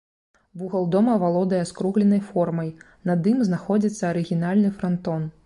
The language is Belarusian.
Вугал дома валодае скругленай формай, над ім знаходзіцца арыгінальны франтон.